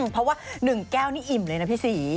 เพราะว่า๑แก้วนี่อิ่มเลยนะพี่ศรี